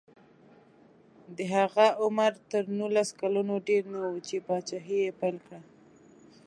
د هغه عمر تر نولس کلونو ډېر نه و چې پاچاهي یې پیل کړه.